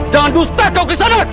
dan dusta kau krisadut